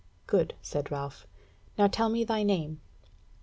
"Good," said Ralph; "now tell me thy name."